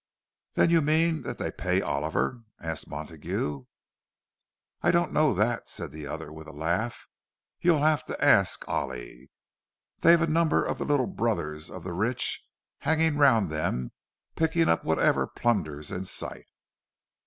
"Then you mean that they pay Oliver?" asked Montague. "I don't know that," said the other, with a laugh. "You'll have to ask Ollie. They've a number of the little brothers of the rich hanging round them, picking up whatever plunder's in sight."